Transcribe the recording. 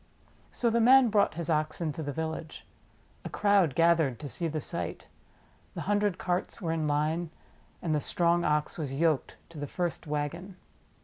So the man brought his Ox into the village. A crowd gathered to see the sight. The hundred carts were in line, and the strong Ox was yoked to the first wagon.